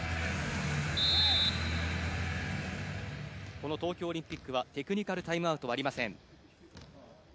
この東京オリンピックはテクニカルタイムアウトはありません。